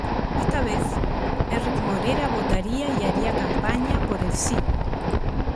Esta vez, Enric Morera votaría y haría campaña por el sí.